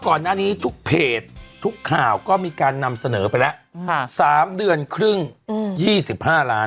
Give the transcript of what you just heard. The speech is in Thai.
ก่อนหน้านี้ทุกเพจทุกข่าวก็มีการนำเสนอไปแล้ว๓เดือนครึ่ง๒๕ล้าน